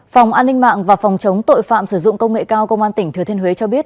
phòng an ninh mạng và phòng chống tội phạm sử dụng công nghệ cao công an tỉnh thừa thiên huế cho biết